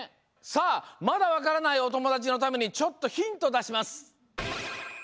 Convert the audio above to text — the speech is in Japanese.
さあまだわからないおともだちのためにちょっとヒントだします。